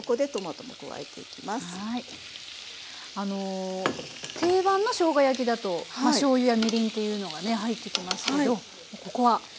あの定番のしょうが焼きだとしょうゆやみりんっていうのがね入ってきますけどここは塩と。